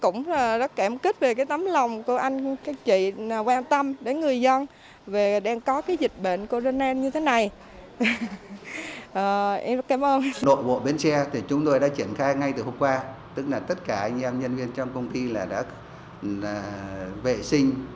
nội bộ bến xe thì chúng tôi đã triển khai ngay từ hôm qua tức là tất cả những nhân viên trong công ty đã vệ sinh